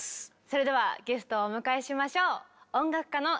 それではゲストをお迎えしましょう。